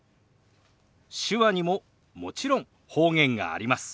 手話にももちろん方言があります。